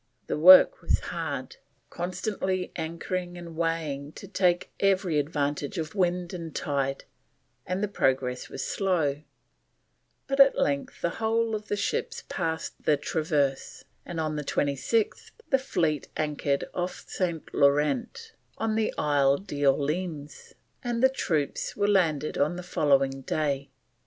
The work was hard, constantly anchoring and weighing to take every advantage of wind and tide, and the progress was slow; but at length the whole of the ships passed the Traverse, and on the 26th the fleet anchored off St. Laurent, on the Ile d'Orleans, and the troops were landed on the following day.